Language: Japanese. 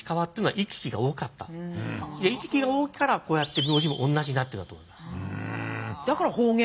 行き来が多いからこうやって名字も同じになってるんだと思います。